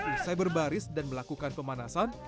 usai berbaris dan melakukan pemanasan